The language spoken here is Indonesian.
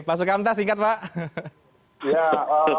masukkan tas singkat pak